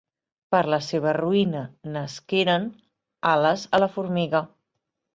Per a la seva ruïna nasqueren ales a la formiga.